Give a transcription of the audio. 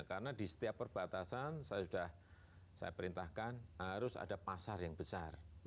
karena di setiap perbatasan saya sudah saya perintahkan harus ada pasar yang besar